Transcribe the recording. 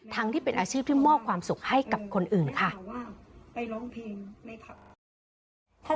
ที่เป็นอาชีพที่มอบความสุขให้กับคนอื่นค่ะ